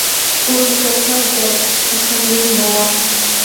کور مې تر تا جار ، څکه دي مه وه.